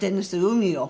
海を。